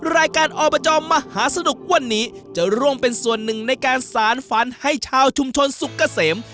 รายการอบจมหาสนุกวันนี้จะร่วมเป็นส่วนหนึ่งในการสารฝันให้ชาวชุมชนสุกเกษม